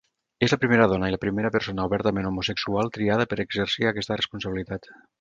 És la primera dona i la primera persona obertament homosexual triada per exercir aquesta responsabilitat.